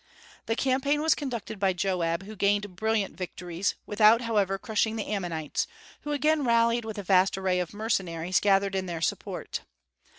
The campaign was conducted by Joab, who gained brilliant victories, without however crushing the Ammonites, who again rallied with a vast array of mercenaries gathered in their support.